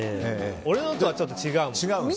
俺のとはちょっと違うもん。